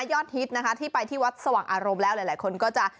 ฮิตนะคะที่ไปที่วัดสว่างอารมณ์แล้วหลายคนก็จะ